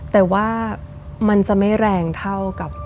แต่ว่ามันจะไม่แรงเท่ากับ